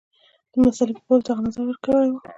د مسلې په باب دغه نظر ورکړی وو.